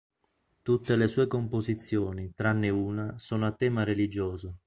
Tutte le sue composizioni, tranne una, sono a tema religioso.